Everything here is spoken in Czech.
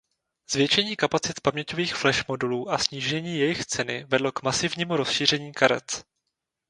Zvětšení kapacit paměťových flash modulů a snížení jejich cen vedlo k masivnímu rozšíření karet.